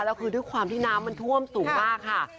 แล้วคือด้วยความที่น้ำมันท่วมสูงมากค่ะ